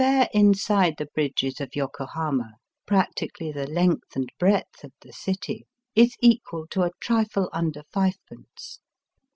191 The fare inside the bridges of Yokohama, practically the length and breadth of the city, is equal to a trifle under fivepence.